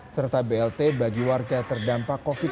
serta blt bagi warga terdampak covid sembilan belas